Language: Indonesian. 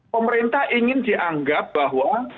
pemerintah ingin dianggap bahwa